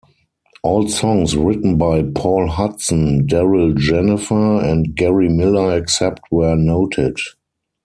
All songs written by Paul Hudson, Darryl Jenifer, and Gary Miller except where noted.